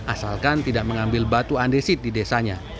asalkan tidak mengambil batu andesit di desanya